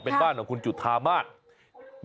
เป็นบ้านของคุณจุธามาศ